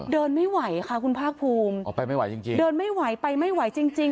เดินไม่ไหวค่ะคุณภาคภูมิเดินไม่ไหวไปไม่ไหวจริง